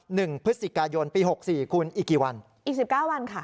หนึ่งพฤศจิกายนปีหกสี่คุณอีกกี่วันอีกสิบเก้าวันค่ะ